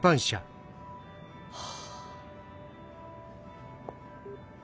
はあ。